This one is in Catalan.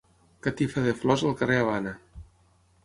Catifa de flors al carrer Havana.